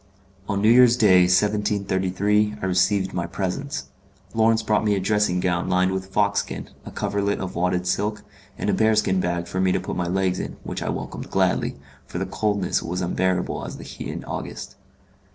On New Year's Day, 1733, I received my presents. Lawrence brought me a dressing gown lined with foxskin, a coverlet of wadded silk, and a bear skin bag for me to put my legs in, which I welcomed gladly, for the coldness was unbearable as the heat in August.